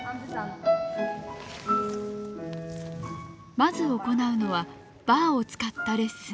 まず行うのはバーを使ったレッスン。